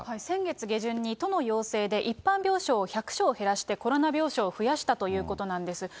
先月下旬に都の要請で一般病床１００床減らして、コロナ病床を増やしたということなんです。